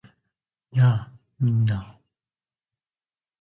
やあ！みんな